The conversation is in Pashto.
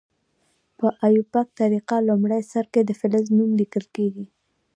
په آیوپک طریقه لومړي سر کې د فلز نوم لیکل کیږي.